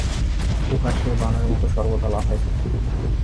উহা সেই বানরের মত সর্বদা লাফাইতেছে।